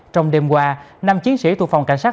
trong đêm qua năm chiến sĩ thuộc phòng cảnh sát